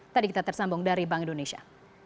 tadi kita tersambung dari bank indonesia